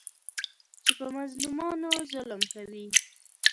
چې په مظلومانو ظلم کوي.